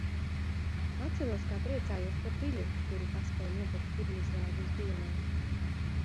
Atceros, kā priecājos par biļeti, kuru paspēju nopirkt pirmizrādes dienā.